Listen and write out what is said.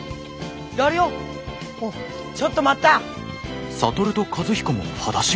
ちょっと待った！